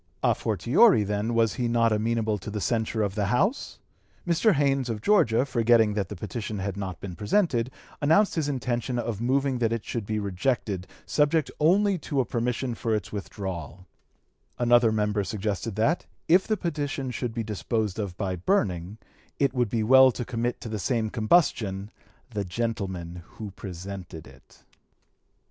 A fortiori, then, was he not amenable to the censure of the House? Mr. Haynes, of Georgia, forgetting that the petition had not been presented, announced his intention of moving that it should be rejected subject only to a permission for its withdrawal; another member suggested that, if the petition should be disposed of by burning, it would be well to commit to the same combustion the gentleman who presented it.